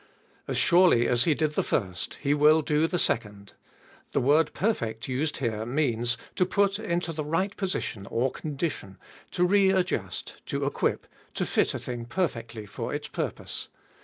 As surely as He did the first, He will do the second. The word " perfect " used here means, to put into the right position or condition, to readjust, to equip, to fit a thing perfectly for its purpose.